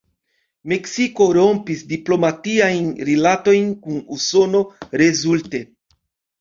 Meksiko rompis diplomatiajn rilatojn kun Usono rezulte.